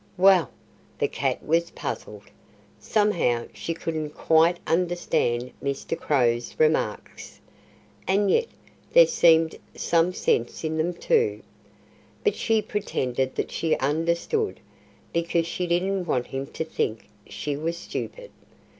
Well, the cat was puzzled. Somehow she couldn't quite understand Mr. Crow's remarks. And yet there seemed some sense in them, too. But she pretended that she understood, because she didn't want him to think she was stupid.